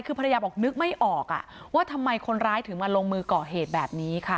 คือภรรยาบอกนึกไม่ออกว่าทำไมคนร้ายถึงมาลงมือก่อเหตุแบบนี้ค่ะ